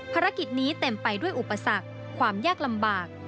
ภารกิจนี้เต็มไปด้วยอุปสรรคความยากลำบาก